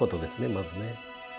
まずね。